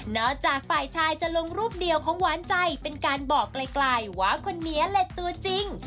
จากฝ่ายชายจะลงรูปเดียวของหวานใจเป็นการบอกไกลว่าคนนี้เหล็กตัวจริง